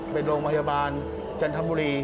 เป็นโรงพยาบาลจันทร์ธรรมบุรี